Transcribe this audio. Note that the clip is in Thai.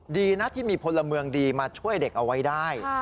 ดีนะที่มีพลเมืองดีมาช่วยเด็กเอาไว้ได้